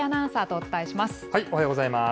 おはようございます。